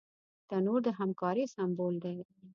تنور د همکارۍ سمبول دی